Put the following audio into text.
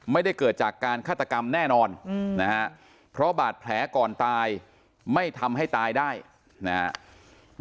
ไม่ได้เกิดจากการฆาตกรรมแน่นอนนะฮะเพราะบาดแผลก่อนตายไม่ทำให้ตายได้นะครับ